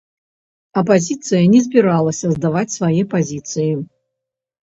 Апазіцыя не збіралася здаваць свае пазіцыі.